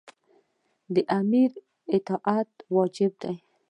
د امیر اطاعت واجب دی.